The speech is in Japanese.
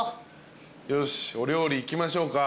よしお料理いきましょうか。